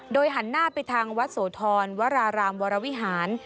หันหน้าไปทางวัดโสธรวรารามวรวิหาร